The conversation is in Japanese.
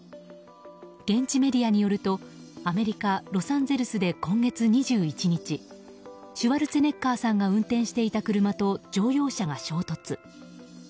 現地メディアによるとアメリカ・ロサンゼルスで今月２１日シュワルツェネッガーさんが運転していた車と乗用車が衝突。